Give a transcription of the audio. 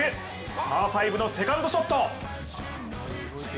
パー５のセカンドショット。